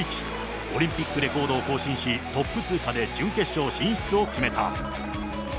オリンピックレコードを更新し、トップ通過で準決勝進出を決めた。